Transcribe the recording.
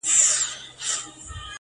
ستا سايه چي د کور مخ ته و ولاړه!!